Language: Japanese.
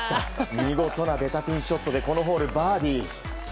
見事なベタピンショットでこのホール、バーディー。